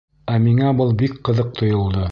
Ә миңә был бик ҡыҙыҡ тойолдо.